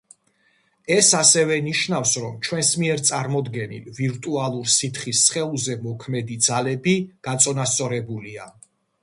ეს ასევე ნიშნავს, რომ ჩვენს მიერ წარმოდგენილ ვირტუალურ სითხის სხეულზე მოქმედი ძალები გაწონასწორებულია.